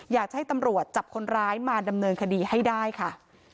อยากให้ตำรวจจับคนร้ายมาดำเนินคดีให้ได้ค่ะ